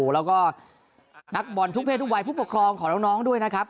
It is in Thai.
แล้วก็นักบอลทุกเพศทุกวัยผู้ปกครองของน้องด้วยนะครับ